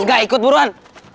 enggak ikut buruan